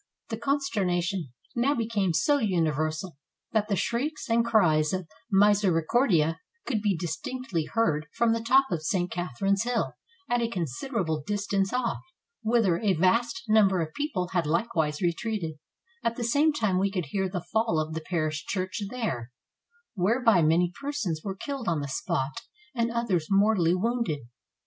The consternation now became so universal that the shrieks and cries of Miserecordia could be distinctly heard from the top of St. Catherine's Hill, at a consider able distance off, whither a vast number of people had likewise retreated; at the same time we could hear the fall of the parish church there, whereby many persons were killed on the spot, and others mortally wounded.